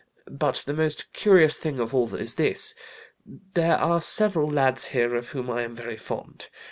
But the most curious thing of all is this: There are several lads here of whom I am very fond.